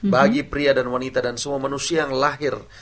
bagi pria dan wanita dan semua manusia yang lahir